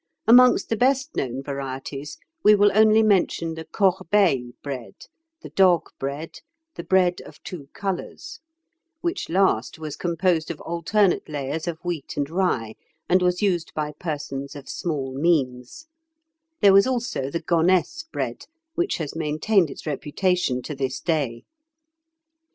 Amongst the best known varieties we will only mention the Corbeil bread, the dog bread, the bread of two colours, which last was composed of alternate layers of wheat and rye, and was used by persons of small means; there was also the Gonesse bread, which has maintained its reputation to this day.